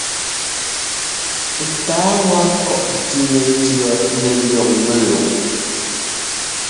Tǎa wa kɔ̂ʼ tʉ́ nɛtʉ̈ nɛ liɔŋ mɛ́luʼ.